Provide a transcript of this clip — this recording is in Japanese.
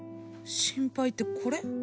心配ってこれ？